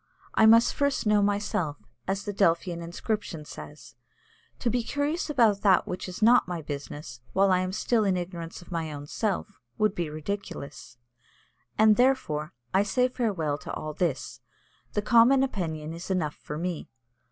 I must first know myself, as the Delphian inscription says; to be curious about that which is not my business, while I am still in ignorance of my own self, would be ridiculous. And, therefore, I say farewell to all this; the common opinion is enough for me.